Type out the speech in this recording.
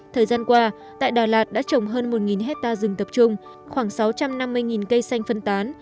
thời gian qua tại đà lạt đã trồng hơn một hectare rừng tập trung khoảng sáu trăm năm mươi cây xanh phân tán